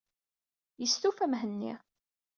Yestufa Mhenni.